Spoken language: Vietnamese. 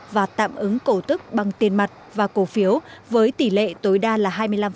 và tạm ứng cổ tức bằng tiền mặt và cổ phiếu với tỷ lệ tối đa là hai mươi năm